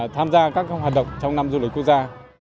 tham gia các hoạt động trong năm du lịch quốc gia